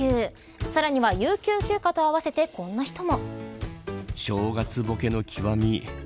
さらには有給休暇と合わせてこんな人も。